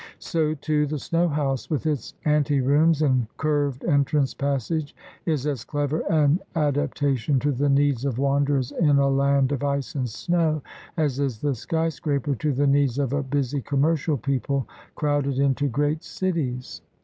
So, too, the snowhouse with its anterooms and curved entrance passage is as clever an adaptation to the needs of wanderers in a land of ice and snow as is the sky scraper to the needs of a busy commercial people crowded into great cities.